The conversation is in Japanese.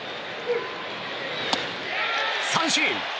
三振。